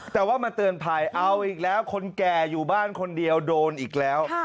แต่ว่ามาเตือนภัยเอาอีกแล้วคนแก่อยู่บ้านคนเดียวโดนอีกแล้ว